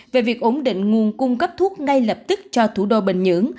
về việc ổn định nguồn cung cấp thuốc ngay lập tức cho thủ đô bình nhưỡng